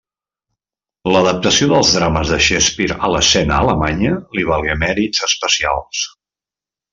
L'adaptació dels drames de Shakespeare a l'escena alemanya li valgué mèrits especials.